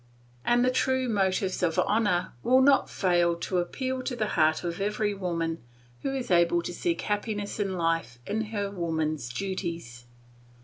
And the true motives of honour will not fail to appeal to the heart of every woman who is able to seek happiness in life in her woman's duties.